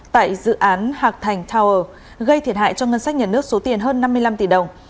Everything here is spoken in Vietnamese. tại dự án hạc thành tower gây thiệt hại cho ngân sách nhà nước số tiền hơn năm mươi năm tỷ đồng